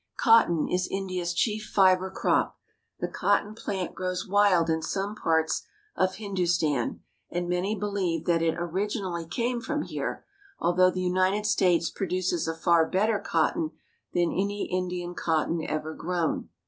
Cotton is India's chief fiber crop. The cotton plant grows wild in some parts of Hindustan, and many believe that it originally came from here, although the United States produces a far better cotton than any Indian cotton ever grown.